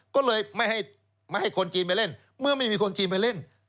ก็เลยไม่ให้คนจีนไปเล่นเมื่อไม่มีคนจีนไปเล่น